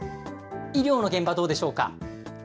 医療の現場、どうでしょうか。